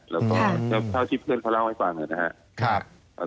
แล้วก็เท่าที่เพื่อนเขาเล่าให้ฟังนะครับ